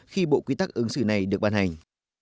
khi bộ quy tắc ứng xử này được ban hành